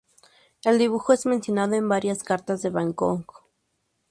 El dibujo es mencionado en varias cartas de van Gogh.